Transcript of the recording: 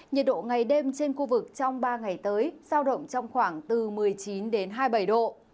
nhiệt độ ngày đêm trên khu vực trong ba ngày tới sao động trong khoảng từ một mươi chín đến hai mươi bảy độ